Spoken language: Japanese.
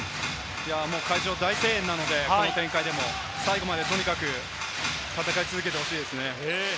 会場、大声援なのでこの展開でも、最後までとにかく戦い続けてほしいですね。